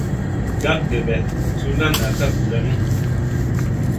Gandebe sunda nak ka gudanu.